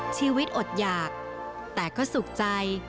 ยอดหยากแต่ก็สุขใจ